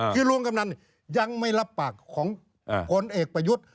คือรวมกำนันยังไม่รับปากของผลเอกประยุทธ์